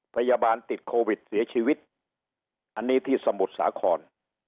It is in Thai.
พยาบาลติดโควิดเสียชีวิตอันนี้ที่สมุทรสาคร